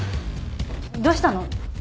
どうしたの？